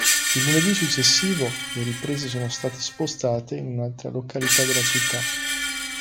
Il lunedì successivo, le riprese sono state spostate in un'altra località della città.